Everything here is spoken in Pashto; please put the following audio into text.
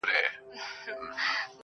نو د وجود.